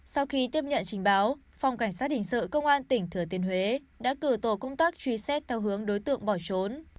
sau khi tiếp nhận trình báo phòng cảnh sát hình sự công an tỉnh thừa tiên huế đã cử tổ công tác truy xét theo hướng đối tượng bỏ trốn